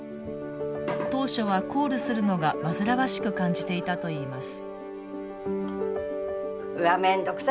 当初はコールするのが煩わしく感じていたといいます。